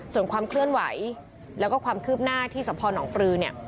ส่วนความเคลื่อนไหวและความคืบหน้าที่สมพนธ์อนนองประองค์ปรือเนี่ย